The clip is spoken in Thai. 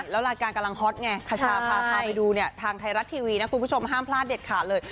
แล้วรายการกำลังฮอตไงคชาพาพาไปดูเนี่ยทางไทยรัฐทีวีนะคุณผู้ชมห้ามพลาดเด็ดขาดเลย